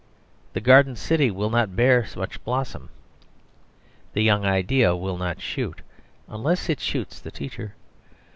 The Garden City will not bear much blossom; the young idea will not shoot, unless it shoots the teacher.